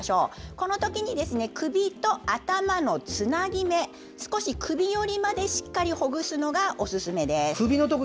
このときに首と頭のつなぎ目少し首寄りまでしっかりほぐすのがおすすめです。